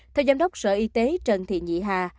theo giám đốc sở y tế trần thị nhị hà